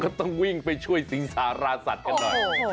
ต้องวิ่งไปช่วยสิงสาราสัตว์กันหน่อย